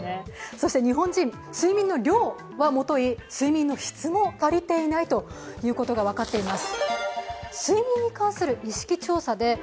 そして日本人、睡眠の量、もとい質も足りていないということが分かっています。